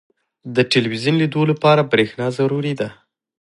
• د ټلویزیون لیدو لپاره برېښنا ضروري ده.